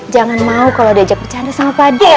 jangan mau kalau diajak bercanda sama padel